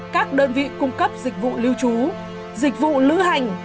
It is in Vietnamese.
các đơn vị cung cấp dịch vụ lưu trú dịch vụ lữ hành